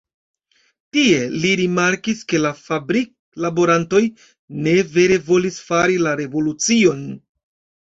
Tie, li rimarkis ke la fabrik-laborantoj ne vere volis fari la revolucion.